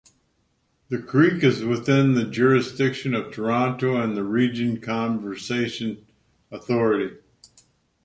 The creek is within the jurisdiction of the Toronto and Region Conservation Authority.